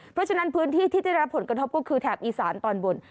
เพราะฉะนั้นพื้นที่ที่จะได้รับผลกระทบก็คือแถบอีสานตอนบน